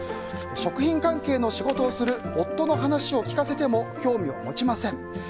食品関係の仕事をする夫の話を聞かせても興味を持ちません。